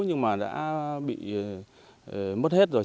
nhưng mà đã bị mất hết rồi